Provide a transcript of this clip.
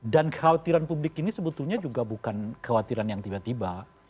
dan kekhawatiran publik ini sebetulnya juga bukan kekhawatiran yang tiba tiba